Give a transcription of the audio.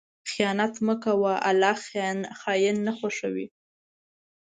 خیانت مه کوه، الله خائن نه خوښوي.